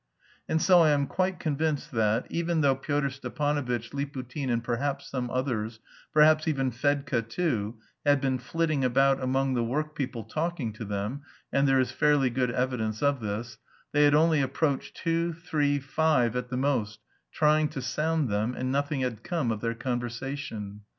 And so I am quite convinced that, even though Pyotr Stepanovitch, Liputin, and perhaps some others perhaps even Fedka too had been flitting about among the workpeople talking to them (and there is fairly good evidence of this), they had only approached two, three, five at the most, trying to sound them, and nothing had come of their conversation.